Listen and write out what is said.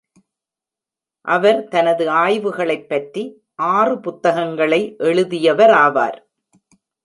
அவர் தனது ஆய்வுகளைப் பற்றி, ஆறு புத்தகங்களை எழுதியவராவார்.